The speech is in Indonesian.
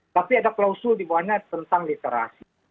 tapi ada klausul dibawahnya tentang literasi